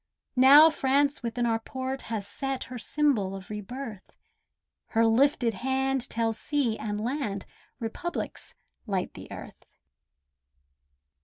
Now France within our port has set Her symbol of re birth; Her lifted hand tells sea and land Republics light the earth.